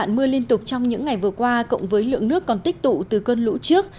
mưa liên tục trong những ngày vừa qua cộng với lượng nước còn tích tụ từ cơn lũ trước